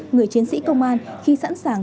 người chiến sĩ công an khi sẵn sàng